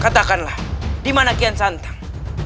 katakanlah dimana kian santang